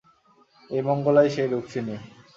এই মঙ্গলাই সেই রুক্মিণী।